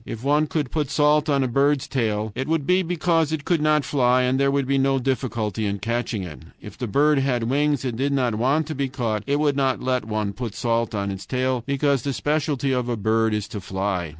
If one could put salt on a bird's tail, it would be because it could not fly and there would be no difficulty in catching it. If the bird had wings and did not want to be caught, it would not let one put salt on its tail, because the specialty of a bird is to fly.